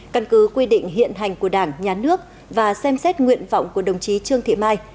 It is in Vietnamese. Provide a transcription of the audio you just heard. căn cứ quy định hiện hành của đảng nhà nước và xem xét nguyện vọng của đồng chí trương thị mai